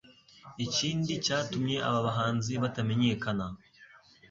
Ikindi cyatumye aba bahanzi batamenyekana